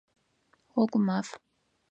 Гъогумаф!